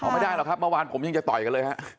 ไม่ได้หรอกครับเมื่อวานผมยังจะต่อยกันเลยฮะ